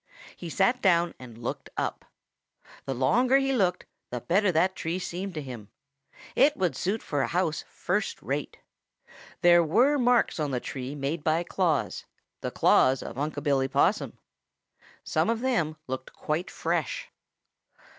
He sat down and looked up. The longer he looked, the better that tree seemed to him. It would suit for a house first rate. There were marks on the tree made by claws the claws of Une' Billy Possum. Some of them looked quite fresh.